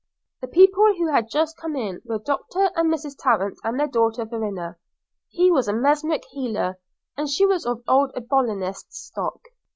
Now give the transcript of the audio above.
The people who had just come in were Doctor and Mrs. Tarrant and their daughter Verena; he was a mesmeric healer and she was of old Abolitionist stock.